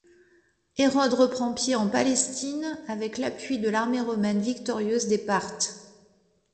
Hérode reprend pied en Palestine avec l'appui de l'armée romaine victorieuse des Parthes.